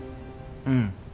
うん。